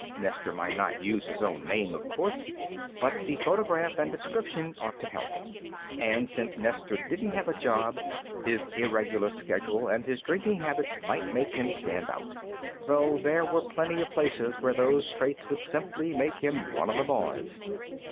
Nestor might not use his own name; of course, but the photograph and description ought to help. And, since Nestor didn't have a job, his irregular schedule and his drinking habits might make him stand out, though there were plenty of places where those traits would simply make him one of the boys.